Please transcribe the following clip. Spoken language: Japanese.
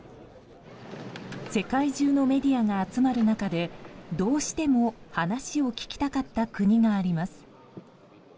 世界中のメディアが集まる中でどうしても話を聞きたかった国があります。